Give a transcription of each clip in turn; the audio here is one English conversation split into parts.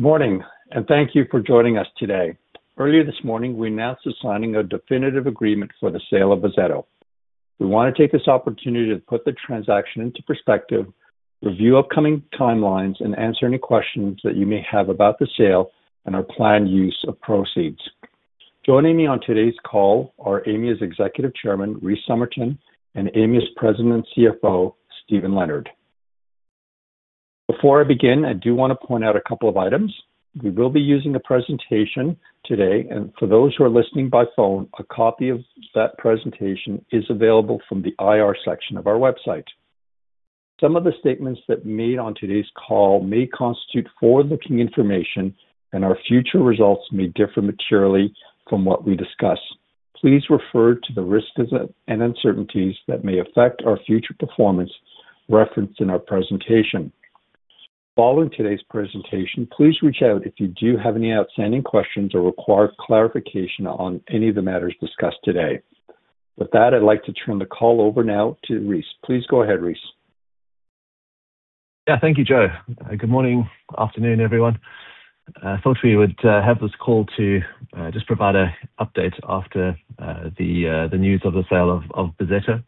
Good morning, and thank you for joining us today. Earlier this morning, we announced the signing of a definitive agreement for the sale of Bozzetto. We want to take this opportunity to put the transaction into perspective, review upcoming timelines, and answer any questions that you may have about the sale and our planned use of proceeds. Joining me on today's call are Aimia's Executive Chairman, Rhys Summerton, and Aimia's President and CFO, Steven Leonard. Before I begin, I do want to point out a couple of items. We will be using a presentation today, and for those who are listening by phone, a copy of that presentation is available from the IR section of our website. Some of the statements that are made on today's call may constitute forward-looking information, and our future results may differ materially from what we discuss. Please refer to the risks and uncertainties that may affect our future performance referenced in our presentation. Following today's presentation, please reach out if you do have any outstanding questions or require clarification on any of the matters discussed today. With that, I'd like to turn the call over now to Rhys. Please go ahead, Rhys. Yeah, thank you, Joe. Good morning, afternoon, everyone. Thought we would have this call to just provide an update after the news of the sale of Bozzetto.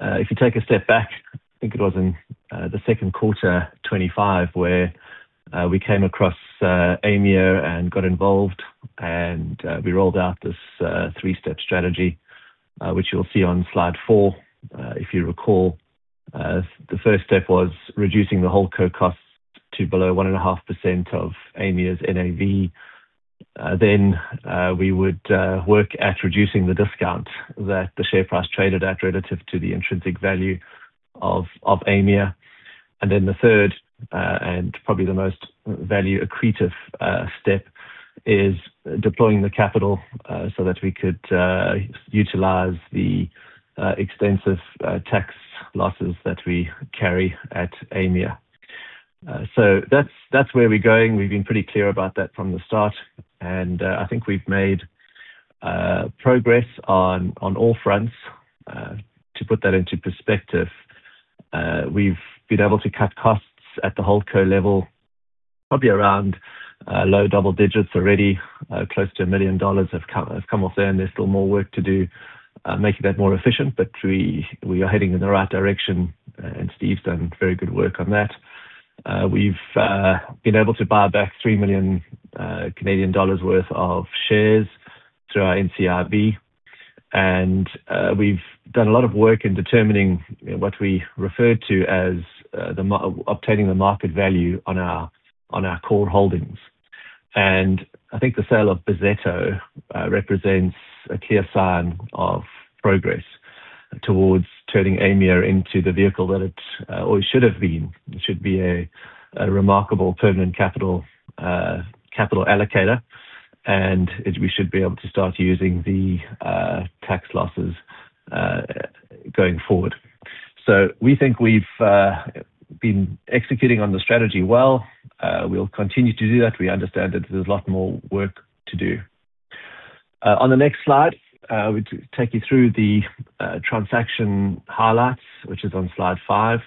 If you take a step back, I think it was in the second quarter 2025 where we came across Aimia and got involved, and we rolled out this three-step strategy, which you'll see on slide four if you recall. The first step was reducing the Holdco cost to below 1.5% of Aimia's NAV. Then we would work at reducing the discount that the share price traded at relative to the intrinsic value of Aimia. And then the third, and probably the most value-accretive step, is deploying the capital so that we could utilize the extensive tax losses that we carry at Aimia. So that's where we're going. We've been pretty clear about that from the start, and I think we've made progress on all fronts. To put that into perspective, we've been able to cut costs at the Holdco level probably around low double digits already, close to 1 million dollars have come off there, and there's still more work to do making that more efficient. But we are heading in the right direction, and Steve's done very good work on that. We've been able to buy back 3 million Canadian dollars worth of shares through our NCIB, and we've done a lot of work in determining what we refer to as obtaining the market value on our core holdings. And I think the sale of Bozzetto represents a clear sign of progress towards turning Aimia into the vehicle that it always should have been. It should be a remarkable permanent capital allocator, and we should be able to start using the tax losses going forward. So we think we've been executing on the strategy well. We'll continue to do that. We understand that there's a lot more work to do. On the next slide, I would take you through the transaction highlights, which is on slide five.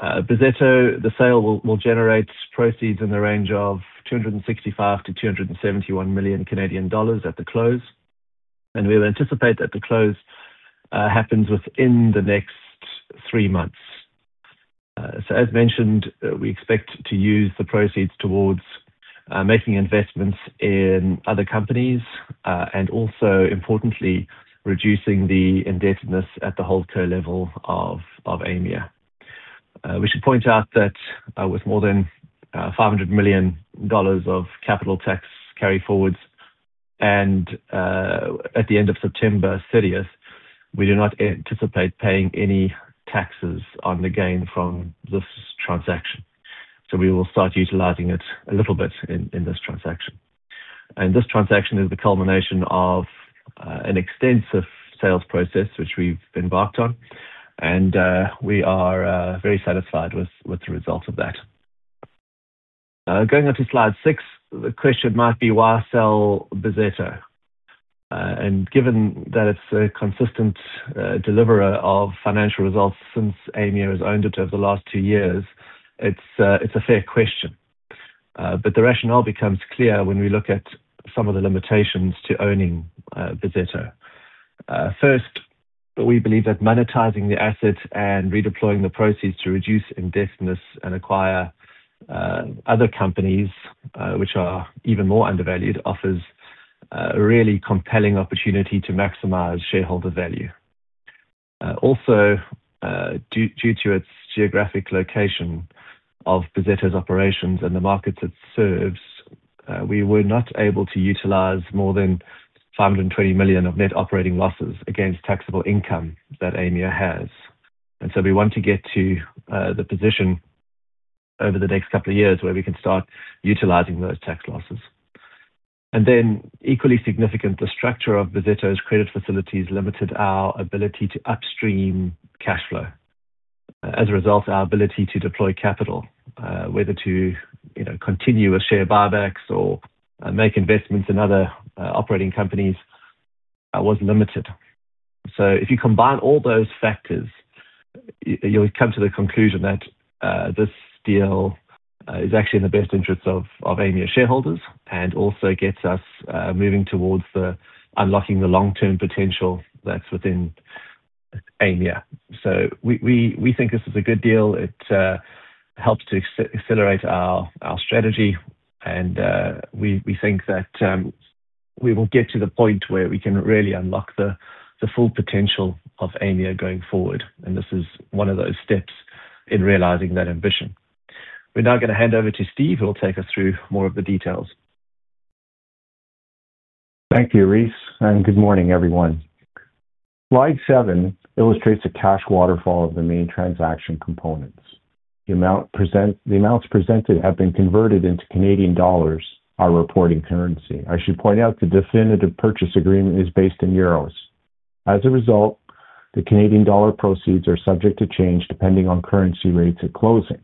Bozzetto, the sale will generate proceeds in the range of 265 million-271 million Canadian dollars at the close, and we will anticipate that the close happens within the next three months. So as mentioned, we expect to use the proceeds towards making investments in other companies and also, importantly, reducing the indebtedness at the Holdco level of Aimia. We should point out that with more than 500 million dollars of capital tax carried forwards at the end of September 30th, we do not anticipate paying any taxes on the gain from this transaction. We will start utilizing it a little bit in this transaction. This transaction is the culmination of an extensive sales process which we've embarked on, and we are very satisfied with the results of that. Going on to slide six, the question might be, "Why sell Bozzetto?" Given that it's a consistent deliverer of financial results since Aimia has owned it over the last two years, it's a fair question. The rationale becomes clear when we look at some of the limitations to owning Bozzetto. First, we believe that monetizing the asset and redeploying the proceeds to reduce indebtedness and acquire other companies which are even more undervalued offers a really compelling opportunity to maximize shareholder value. Also, due to its geographic location of Bozzetto's operations and the markets it serves, we were not able to utilize more than 520 million of net operating losses against taxable income that Aimia has. And so we want to get to the position over the next couple of years where we can start utilizing those tax losses. And then equally significant, the structure of Bozzetto's credit facilities limited our ability to upstream cash flow. As a result, our ability to deploy capital, whether to continue with share buybacks or make investments in other operating companies, was limited. So if you combine all those factors, you'll come to the conclusion that this deal is actually in the best interests of Aimia shareholders and also gets us moving towards unlocking the long-term potential that's within Aimia. So we think this is a good deal. It helps to accelerate our strategy, and we think that we will get to the point where we can really unlock the full potential of Aimia going forward. And this is one of those steps in realizing that ambition. We're now going to hand over to Steve who will take us through more of the details. Thank you, Rhys, and good morning, everyone. Slide seven illustrates a cash waterfall of the main transaction components. The amounts presented have been converted into Canadian dollars, our reporting currency. I should point out the definitive purchase agreement is based in euros. As a result, the Canadian dollar proceeds are subject to change depending on currency rates at closing.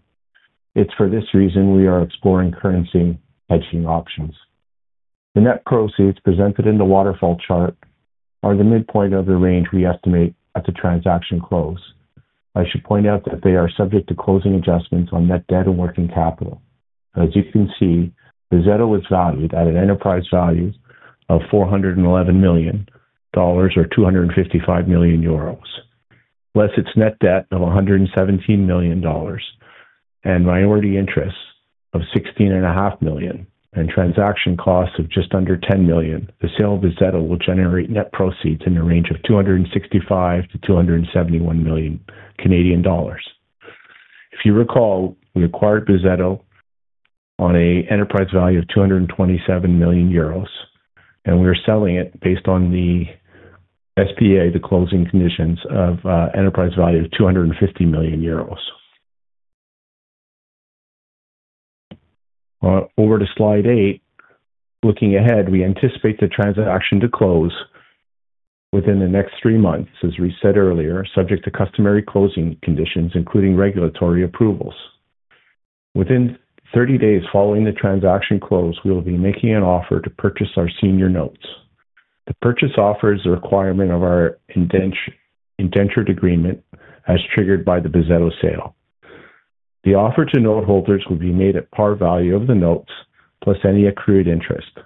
It's for this reason we are exploring currency hedging options. The net proceeds presented in the waterfall chart are the midpoint of the range we estimate at the transaction close. I should point out that they are subject to closing adjustments on net debt and working capital. As you can see, Bozzetto is valued at an enterprise value of 411 million dollars or 255 million euros, less its net debt of 117 million dollars and minority interests of 16.5 million and transaction costs of just under 10 million. The sale of Bozzetto will generate net proceeds in the range of 265 million-271 million Canadian dollars. If you recall, we acquired Bozzetto on an enterprise value of 227 million euros, and we are selling it based on the SPA, the closing conditions of an enterprise value of 250 million euros. Over to slide eight. Looking ahead, we anticipate the transaction to close within the next three months, as Rhys said earlier, subject to customary closing conditions, including regulatory approvals. Within 30 days following the transaction close, we will be making an offer to purchase our senior notes. The purchase offer is a requirement of our indenture agreement as triggered by the Bozzetto sale. The offer to note holders will be made at par value of the notes plus any accrued interest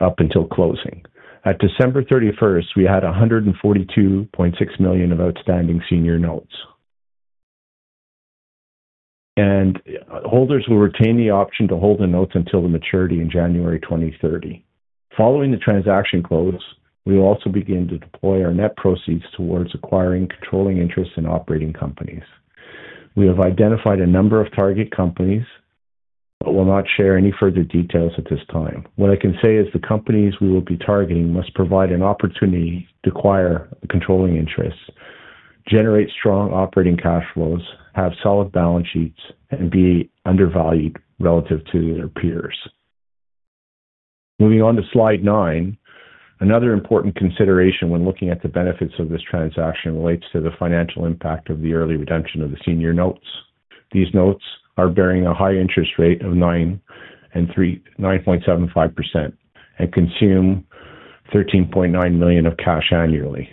up until closing. At December 31st, we had 142.6 million of outstanding senior notes. Holders will retain the option to hold the notes until the maturity in January 2030. Following the transaction close, we will also begin to deploy our net proceeds towards acquiring controlling interests in operating companies. We have identified a number of target companies, but will not share any further details at this time. What I can say is the companies we will be targeting must provide an opportunity to acquire the controlling interests, generate strong operating cash flows, have solid balance sheets, and be undervalued relative to their peers. Moving on to slide nine. Another important consideration when looking at the benefits of this transaction relates to the financial impact of the early redemption of the senior notes. These notes are bearing a high interest rate of 9.75% and consume 13.9 million of cash annually.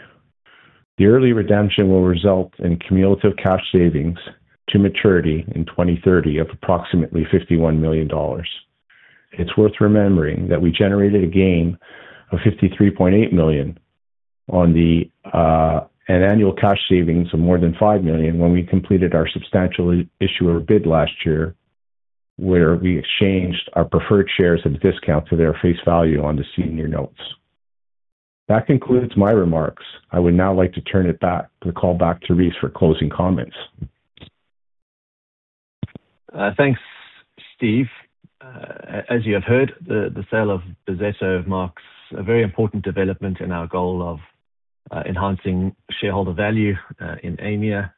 The early redemption will result in cumulative cash savings to maturity in 2030 of approximately $51 million. It's worth remembering that we generated a gain of $53.8 million on an annual cash savings of more than $5 million when we completed our Substantial Issuer Bid last year, where we exchanged our preferred shares at a discount to their face value on the senior notes. That concludes my remarks. I would now like to turn it back, the call back to Rhys for closing comments. Thanks, Steve. As you have heard, the sale of Bozzetto marks a very important development in our goal of enhancing shareholder value in Aimia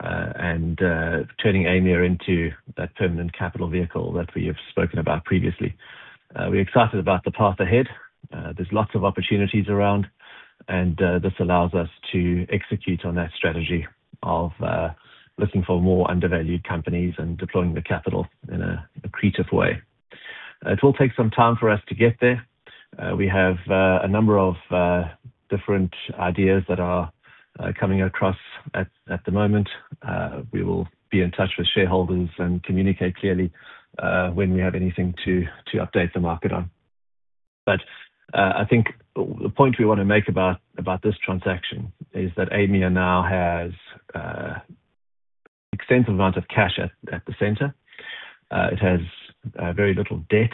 and turning Aimia into that permanent capital vehicle that we have spoken about previously. We're excited about the path ahead. There's lots of opportunities around, and this allows us to execute on that strategy of looking for more undervalued companies and deploying the capital in an accretive way. It will take some time for us to get there. We have a number of different ideas that are coming across at the moment. We will be in touch with shareholders and communicate clearly when we have anything to update the market on. But I think the point we want to make about this transaction is that Aimia now has an extensive amount of cash at the centre. It has very little debt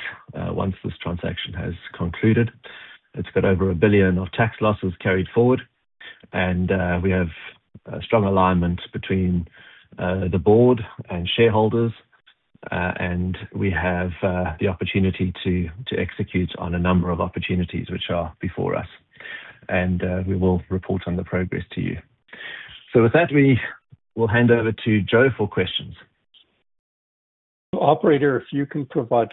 once this transaction has concluded. It's got over 1 billion of tax losses carried forward, and we have strong alignment between the board and shareholders, and we have the opportunity to execute on a number of opportunities which are before us. We will report on the progress to you. With that, we will hand over to Joe for questions. Operator, if you can provide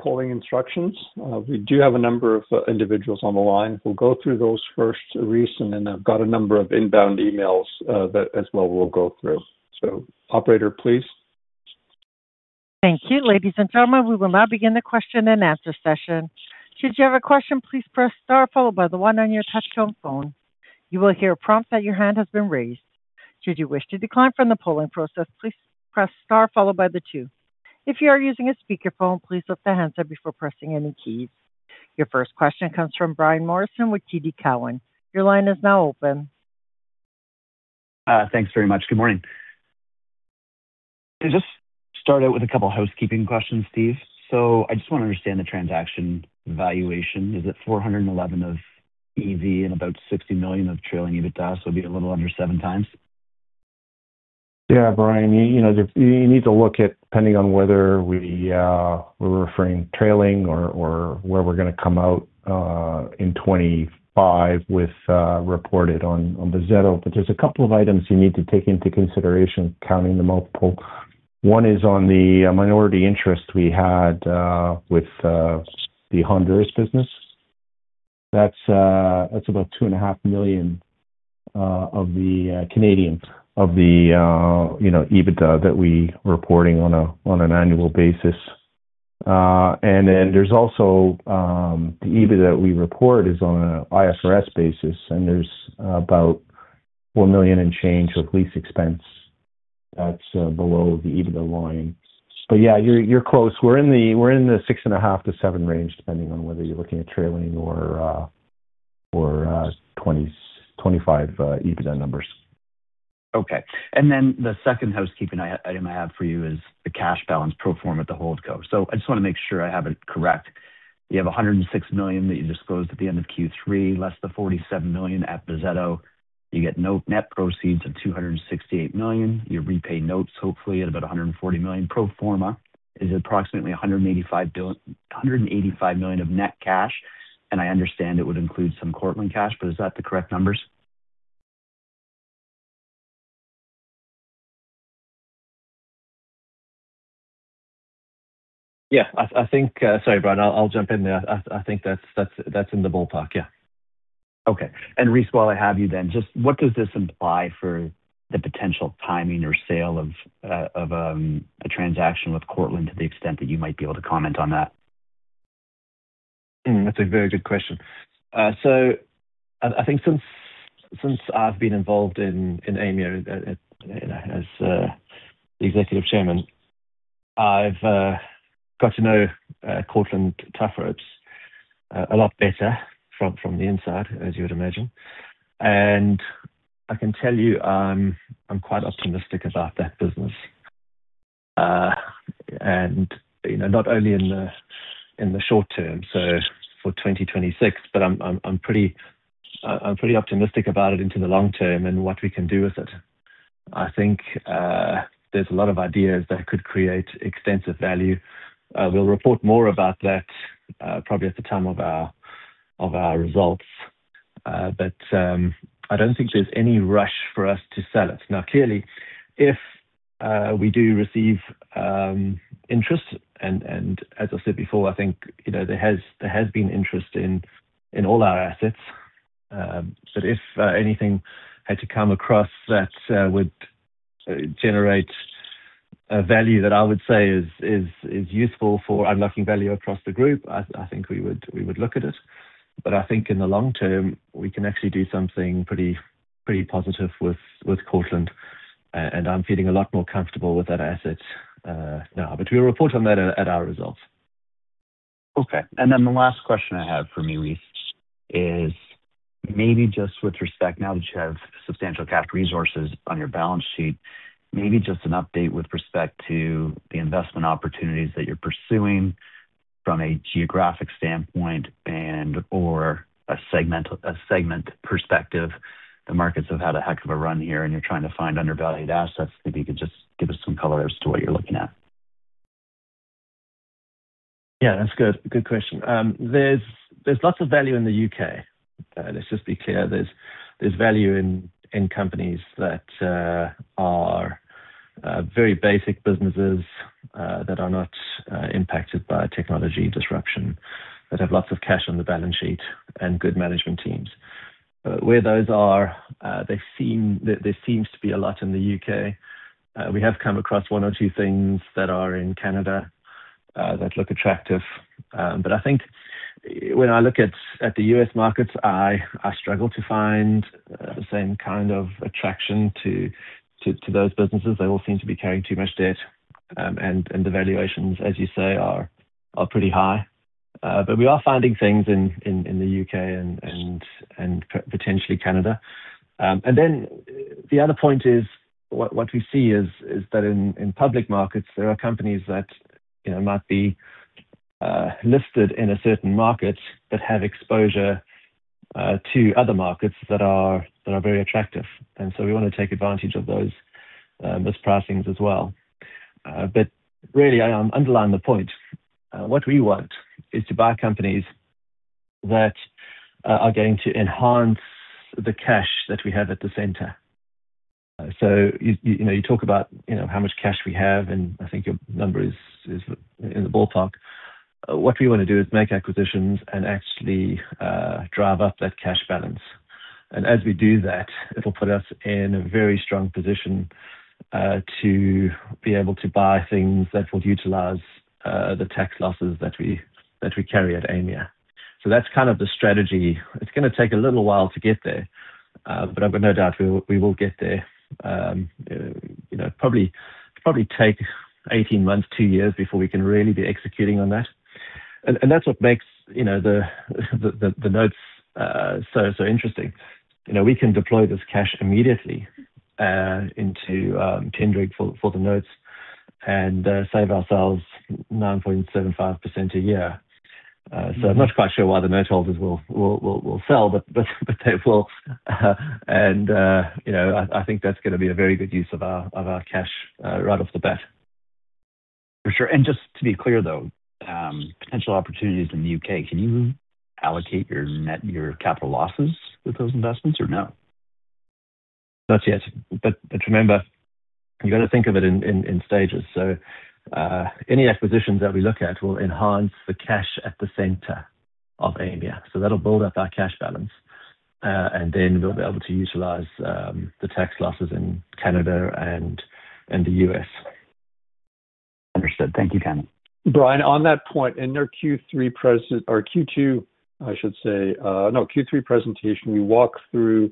polling instructions. We do have a number of individuals on the line. We'll go through those first, Rhys, and then I've got a number of inbound emails that as well we'll go through. So operator, please. Thank you, ladies and gentlemen. We will now begin the question and answer session. Should you have a question, please press star followed by the one on your touch-tone phone. You will hear a prompt that your hand has been raised. Should you wish to decline from the polling process, please press star followed by the two. If you are using a speakerphone, please lift the handset before pressing any keys. Your first question comes from Brian Morrison with TD Cowen. Your line is now open. Thanks very much. Good morning. Just start out with a couple of housekeeping questions, Steve. So I just want to understand the transaction valuation. Is it 411 million EV and about 60 million of trailing EBITDA? So it'd be a little under 7x? Yeah, Brian. You need to look at depending on whether we're referring to trailing or where we're going to come out in 2025 with reported on Bozzetto. But there's a couple of items you need to take into consideration counting the multiple. One is on the minority interest we had with the Honduras business. That's about 2.5 million of the EBITDA that we're reporting on an annual basis. And then there's also the EBITDA that we report is on an IFRS basis, and there's about 4 million and change of lease expense that's below the EBITDA line. But yeah, you're close. We're in the 6.5-7 range depending on whether you're looking at trailing or 2025 EBITDA numbers. Okay. Then the second housekeeping item I have for you is the cash balance pro forma at the Holdco. So I just want to make sure I have it correct. You have 106 million that you disclosed at the end of Q3, less the 47 million at Bozzetto. You get net proceeds of 268 million. You repay notes, hopefully, at about 140 million. Pro forma is approximately 185 million of net cash. And I understand it would include some Cortland cash, but is that the correct numbers? Yeah. Sorry, Brian. I'll jump in there. I think that's in the ballpark, yeah. Okay. And Rhys, while I have you then, just what does this imply for the potential timing or sale of a transaction with Cortland to the extent that you might be able to comment on that? That's a very good question. So I think since I've been involved in Aimia as the Executive Chairman, I've got to know Cortland Tufropes a lot better from the inside, as you would imagine. And I can tell you I'm quite optimistic about that business, and not only in the short term, so for 2026, but I'm pretty optimistic about it into the long term and what we can do with it. I think there's a lot of ideas that could create extensive value. We'll report more about that probably at the time of our results. But I don't think there's any rush for us to sell it. Now, clearly, if we do receive interest and as I said before, I think there has been interest in all our assets. But if anything had to come across that would generate a value that I would say is useful for unlocking value across the group, I think we would look at it. But I think in the long term, we can actually do something pretty positive with Cortland, and I'm feeling a lot more comfortable with that asset now. But we'll report on that at our results. Okay. Then the last question I have for me, Rhys, is maybe just with respect now that you have substantial cash resources on your balance sheet, maybe just an update with respect to the investment opportunities that you're pursuing from a geographic standpoint and/or a segment perspective. The markets have had a heck of a run here, and you're trying to find undervalued assets. Maybe you could just give us some color as to what you're looking at? Yeah, that's a good question. There's lots of value in the U.K. Let's just be clear. There's value in companies that are very basic businesses that are not impacted by technology disruption, that have lots of cash on the balance sheet, and good management teams. Where those are, there seems to be a lot in the U.K. We have come across one or two things that are in Canada that look attractive. But I think when I look at the U.S. markets, I struggle to find the same kind of attraction to those businesses. They all seem to be carrying too much debt, and the valuations, as you say, are pretty high. But we are finding things in the U.K. and potentially Canada. Then the other point is what we see is that in public markets, there are companies that might be listed in a certain market but have exposure to other markets that are very attractive. So we want to take advantage of those mispricings as well. But really, I underline the point. What we want is to buy companies that are going to enhance the cash that we have at the centre. So you talk about how much cash we have, and I think your number is in the ballpark. What we want to do is make acquisitions and actually drive up that cash balance. And as we do that, it will put us in a very strong position to be able to buy things that will utilize the tax losses that we carry at Aimia. So that's kind of the strategy. It's going to take a little while to get there, but I've got no doubt we will get there. It'll probably take 18 months, two years before we can really be executing on that. And that's what makes the notes so interesting. We can deploy this cash immediately into a tender offer for the notes and save ourselves 9.75% a year. So I'm not quite sure why the note holders will sell, but they will. And I think that's going to be a very good use of our cash right off the bat. For sure. And just to be clear, though, potential opportunities in the U.K., can you allocate your capital losses with those investments or no? Not yet. But remember, you've got to think of it in stages. So any acquisitions that we look at will enhance the cash at the center of Aimia. So that'll build up our cash balance, and then we'll be able to utilize the tax losses in Canada and the U.S. Understood. Thank you, guys. Brian, on that point, in our Q3 or Q2, I should say, no, Q3 presentation, we walk through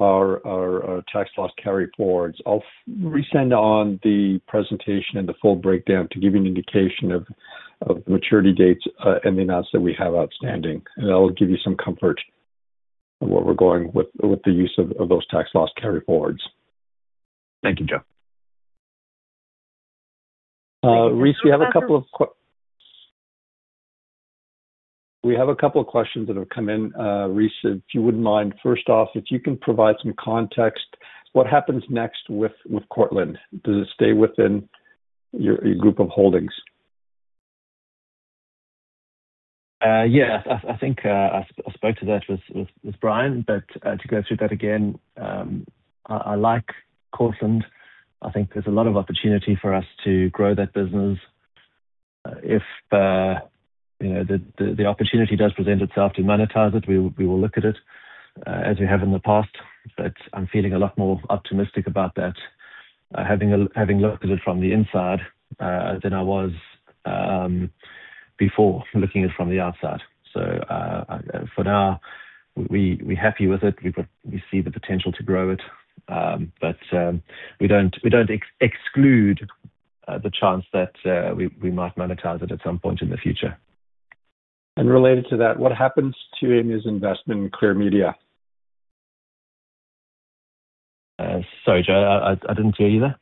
our tax loss carry forwards. I'll resend on the presentation and the full breakdown to give you an indication of the maturity dates and the amounts that we have outstanding. That'll give you some comfort of where we're going with the use of those tax loss carry forwards. Thank you, Joe. Rhys, we have a couple of questions that have come in. Rhys, if you wouldn't mind, first off, if you can provide some context, what happens next with Cortland? Does it stay within your group of holdings? Yeah. I think I spoke to that with Brian. But to go through that again, I like Cortland. I think there's a lot of opportunity for us to grow that business. If the opportunity does present itself to monetize it, we will look at it as we have in the past. But I'm feeling a lot more optimistic about that, having looked at it from the inside than I was before, looking at it from the outside. So for now, we're happy with it. We see the potential to grow it. But we don't exclude the chance that we might monetize it at some point in the future. Related to that, what happens to Aimia's investment in Clear Media? Sorry, Joe. I didn't hear you there.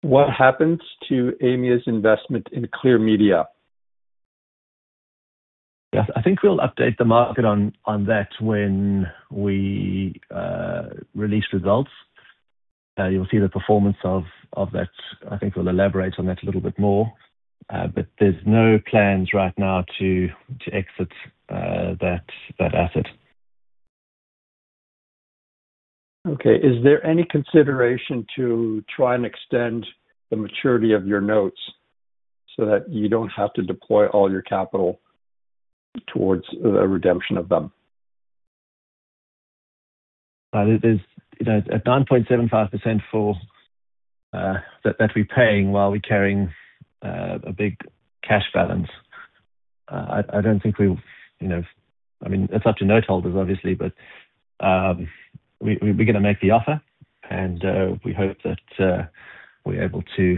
What happens to Aimia's investment in Clear Media? Yes. I think we'll update the market on that when we release results. You'll see the performance of that. I think we'll elaborate on that a little bit more. But there's no plans right now to exit that asset. Okay. Is there any consideration to try and extend the maturity of your notes so that you don't have to deploy all your capital towards a redemption of them? At 9.75% that we're paying while we're carrying a big cash balance, I don't think we'll I mean, that's up to note holders, obviously. But we're going to make the offer, and we hope that we're able to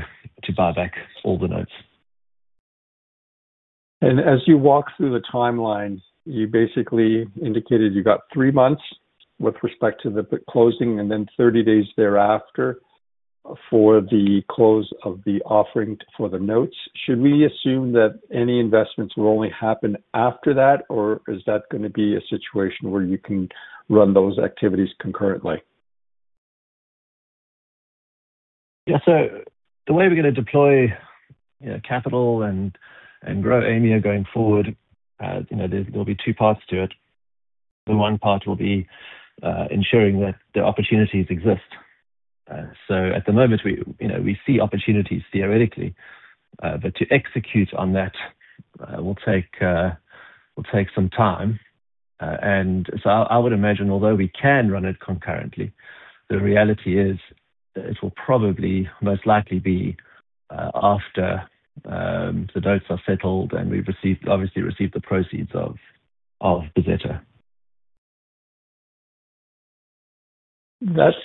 buy back all the notes. As you walk through the timeline, you basically indicated you got three months with respect to the closing and then 30 days thereafter for the close of the offering for the notes. Should we assume that any investments will only happen after that, or is that going to be a situation where you can run those activities concurrently? Yeah. So the way we're going to deploy capital and grow Aimia going forward, there'll be two parts to it. The one part will be ensuring that the opportunities exist. So at the moment, we see opportunities theoretically. But to execute on that will take some time. And so I would imagine, although we can run it concurrently, the reality is it will probably, most likely, be after the notes are settled and we've obviously received the proceeds of Bozzetto. That's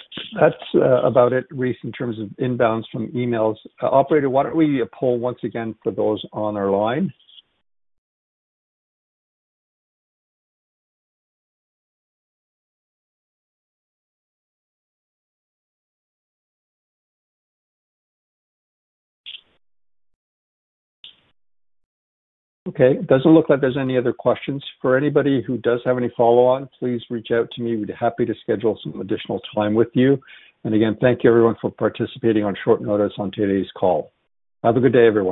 about it, Rhys, in terms of inbounds from emails. Operator, why don't we poll once again for those on our line? Okay. It doesn't look like there's any other questions. For anybody who does have any follow-on, please reach out to me. We'd be happy to schedule some additional time with you. And again, thank you, everyone, for participating on short notice on today's call. Have a good day, everyone.